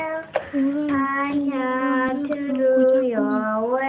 无论境内外、任何国家公民